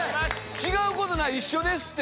違うことない一緒ですって。